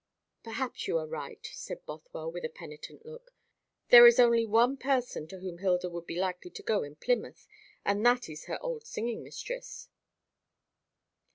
"Perhaps you are right," said Bothwell, with a penitent look. "There is only one person to whom Hilda would be likely to go in Plymouth, and that is her old singing mistress."